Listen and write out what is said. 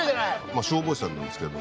消防士さんなんですけど。